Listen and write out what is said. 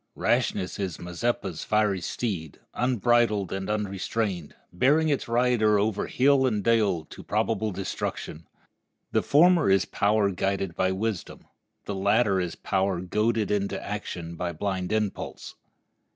Rashness is a Mazeppa's fiery steed, unbridled and unrestrained, bearing its rider over hill and dale to probable destruction. The former is power guided by wisdom; the latter is power goaded to action by blind impulse.